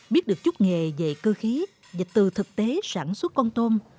biết được chút nghề về cơ khí và từ thực tế sản xuất con tôm